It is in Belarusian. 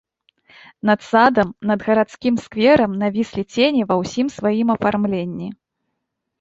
Над садам, над гарадскім скверам навіслі цені ва ўсім сваім афармленні.